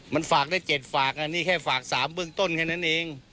มันฝากได้๗ฝากอันนี้แค่ฝาก๓เบื้องต้นแค่นั้นเอง